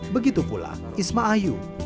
begitu pula isma ayu